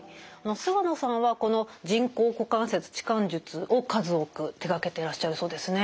菅野さんはこの人工股関節置換術を数多く手がけてらっしゃるそうですね。